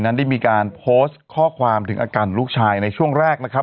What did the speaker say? นั้นได้มีการโพสต์ข้อความถึงอาการของลูกชายในช่วงแรกนะครับ